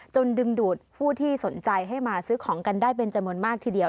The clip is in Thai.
ดึงดูดผู้ที่สนใจให้มาซื้อของกันได้เป็นจำนวนมากทีเดียว